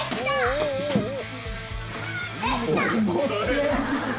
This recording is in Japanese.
できた！